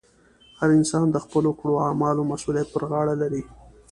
هر انسان د خپلو کړو اعمالو مسؤلیت پر غاړه لري.